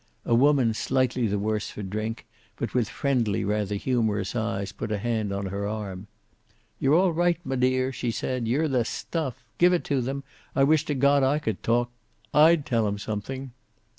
A woman, slightly the worse for drink, but with friendly, rather humorous eyes, put a hand on her arm. "You're all right, m'dear," she said. "You're the stuff. Give it to them. I wish to God I could talk. I'd tell 'em something."